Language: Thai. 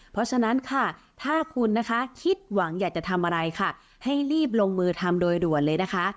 เพราะฉะนั้นค่ะถ้าคุณนะคะคิดหวังอยากจะทำอะไรค่ะให้รีบลงมือทำโดยด่วนเลยนะคะ